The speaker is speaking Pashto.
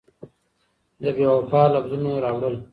د بېوفا لفظونه راوړل